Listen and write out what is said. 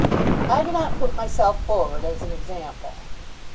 "I do not put myself forward as an example."